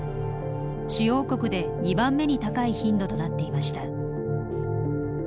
主要国で２番目に高い頻度となっていました。